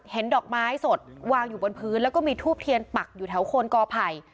ดอกไม้สดวางอยู่บนพื้นแล้วก็มีทูบเทียนปักอยู่แถวโคนกอไผ่